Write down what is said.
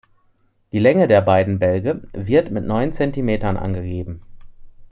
Die Länge der beiden Bälge wird mit neun Zentimetern angegeben.